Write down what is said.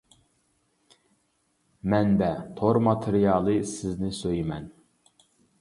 مەنبە : تور ماتېرىيالى سىزنى سۆيىمەن.